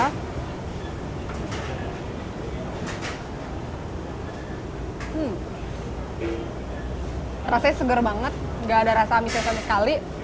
hmm rasanya segar banget gak ada rasa amis amis sekali